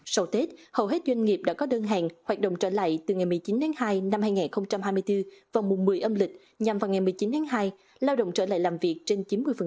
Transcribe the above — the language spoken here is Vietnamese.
sau tết hầu hết doanh nghiệp đã có đơn hàng hoạt động trở lại từ ngày một mươi chín tháng hai năm hai nghìn hai mươi bốn vào mùa một mươi âm lịch nhằm vào ngày một mươi chín tháng hai lao động trở lại làm việc trên chín mươi